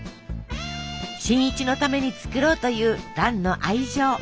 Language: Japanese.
新一のために作ろうという蘭の愛情。